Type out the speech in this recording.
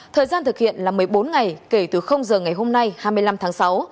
thời gian thực hiện là một mươi bốn ngày kể từ giờ ngày hôm nay hai mươi năm tháng sáu